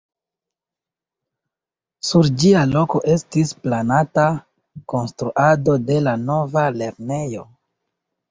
Sur ĝia loko estis planata konstruado de la nova lernejo.